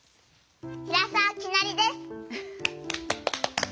ひらさわきなりです。